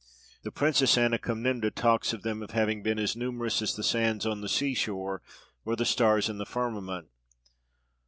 The Princess Anna Comnena talks of them as having been as numerous as the sands on the sea shore, or the stars in the firmament.